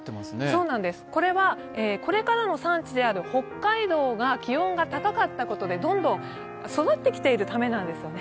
これはこれからの産地である北海道が気温が高かったことでどんどん育ってきているためなんですよね。